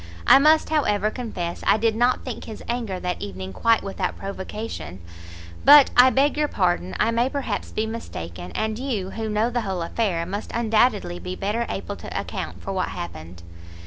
I must, however, confess I did not think his anger that evening quite without provocation, but I beg your pardon, I may perhaps be mistaken, and you, who know the whole affair, must undoubtedly be better able to account for what happened."